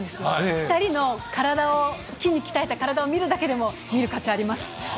２人の体を、筋肉鍛えた体を見るだけでも、見る価値あります。